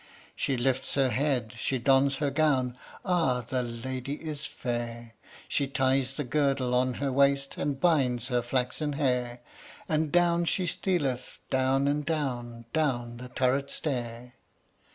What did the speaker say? She lifts her head, she dons her gown: Ah! the lady is fair; She ties the girdle on her waist, And binds her flaxen hair, And down she stealeth, down and down, Down the turret stair.